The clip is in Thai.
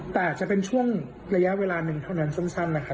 แต่จะเป็นช่วงระยะเวลาหนึ่งเท่านั้นสั้นนะคะ